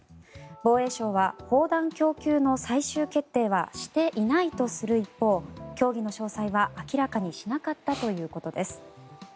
防衛省は砲弾供給の最終決定はしていないとする一方協議の詳細は明らかにしなかったということです。